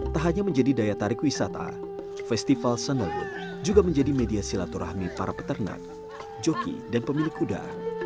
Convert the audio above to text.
tak hanya menjadi daya tarik wisata festival sandalwood juga menjadi media silaturahmi para peternak joki dan pemilik kuda